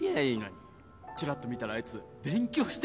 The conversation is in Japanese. ちらっと見たらあいつ勉強してたぜ